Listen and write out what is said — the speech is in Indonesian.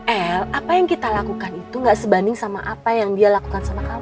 el apa yang kita lakukan itu gak sebanding sama apa yang dia lakukan sama kamu